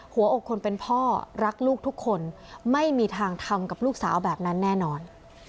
หัวอกคนเป็นพ่อรักลูกทุกคนไม่มีทางทำกับลูกสาวแบบนั้นแน่นอน